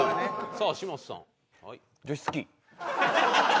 さあ嶋佐さん。